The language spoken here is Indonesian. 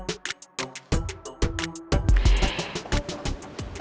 pangeran yang lebih keras